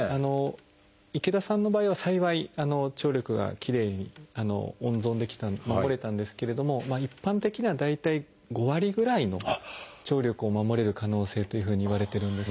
池田さんの場合は幸い聴力がきれいに温存できた守れたんですけれども一般的には大体５割ぐらいの聴力を守れる可能性というふうにいわれてるんです。